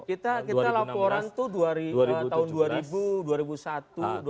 kita laporan itu tahun dua ribu dua ribu satu dua ribu dua